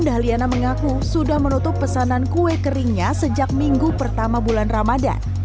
dah liana mengaku sudah menutup pesanan kue keringnya sejak minggu pertama bulan ramadhan